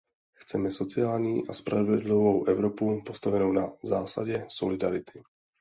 Chceme sociální a spravedlivou Evropu, postavenou na zásadě solidarity.